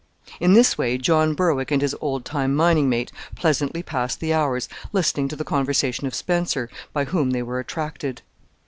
In this way John Berwick and his old time mining mate pleasantly passed the hours listening to the conversation of Spencer, by whom they were attracted.